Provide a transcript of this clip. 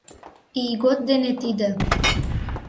Ийгот дене тиде.